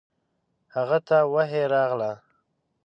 هغه ﷺ ته وحی راغله.